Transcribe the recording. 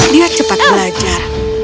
dia cepat belajar